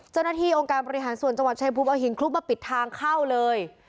เจ้าหน้าที่องค์การบริหารส่วนจังหวัดชายภูมิเอาหินคลุกมาปิดทางเข้าเลย